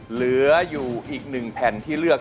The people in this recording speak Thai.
เหลืออยู่อีก๑แผ่นที่เลือก